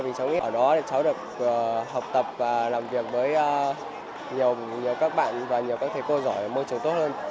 vì cháu nghĩ ở đó cháu được học tập và làm việc với nhiều các bạn và nhiều các thầy cô giỏi môi trường tốt hơn